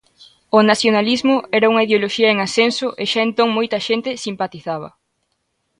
O nacionalismo era unha ideoloxía en ascenso e xa entón moita xente simpatizaba.